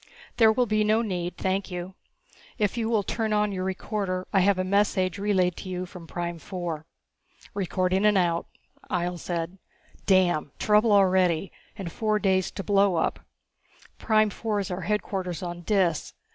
"There will be no need, thank you. If you will turn on your recorder I have a message relayed to you from Prime four." "Recording and out," Ihjel said. "Damn! Trouble already, and four days to blowup. Prime four is our headquarters on Dis.